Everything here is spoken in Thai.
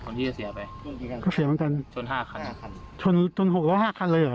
คนที่เสียไปก็เสียเหมือนกันชนห้าคันห้าคันชนจนหกหรือห้าคันเลยหรือ